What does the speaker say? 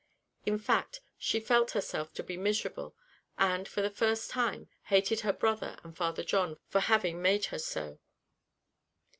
In fact, she felt herself to be miserable, and, for the time, hated her brother and Father John for having made her so.